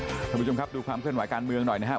คุณผู้ชมครับดูความเคลื่อนไหวการเมืองหน่อยนะครับ